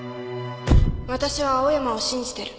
わたしは青山を信じてる